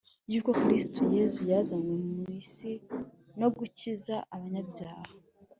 yuko Kristo Yesu yazanywe mu isi no gukiza abanyabyaha